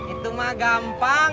itu mah gampang